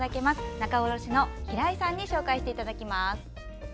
仲卸の平井淳さんに紹介していただきます。